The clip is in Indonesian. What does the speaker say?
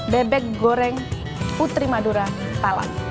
bebek goreng putri madura talas